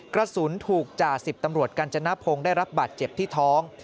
กระสุนถูกจ่าสิบตำรวจกัญจนพงศ์ได้รับบาดเจ็บที่ท้อง